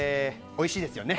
おいしいですよね。